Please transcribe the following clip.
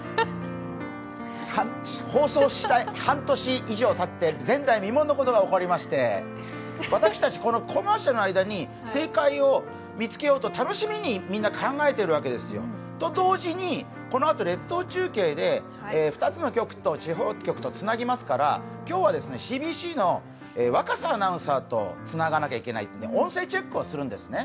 放送して半年以上たって、前代未聞のことが起こりまして、私たちコマーシャルの間に正解を見つけようと楽しみにみんな考えているわけですよ。と同時に、このあと列島中継で２つの地方局とつなぎますから、今日はＣＢＣの若狭アナウンサーとつながなきゃいけないので音声チェックをするんですね。